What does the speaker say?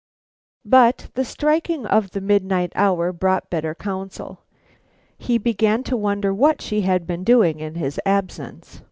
But the striking of the midnight hour brought better counsel. He began to wonder what she had been doing in his absence.